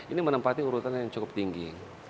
ini menempati urutan yang cukup tinggi